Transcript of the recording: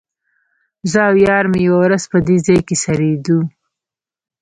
زه او یار مې یوه ورځ په دې ځای کې څریدو.